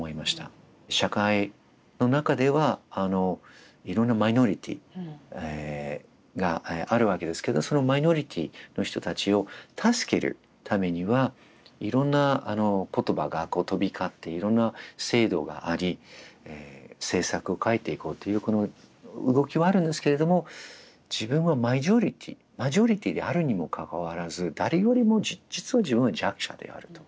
社会の中ではいろんなマイノリティーがあるわけですけどそのマイノリティーの人たちを助けるためにはいろんな言葉が飛び交っていろんな制度があり政策を変えていこうというこの動きはあるんですけれども自分はマジョリティーマジョリティーであるにもかかわらず誰よりも実は自分は弱者であると。